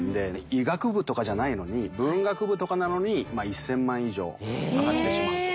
医学部とかじゃないのに文学部とかなのに１，０００万以上かかってしまうと。